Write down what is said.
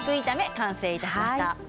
完成いたしました。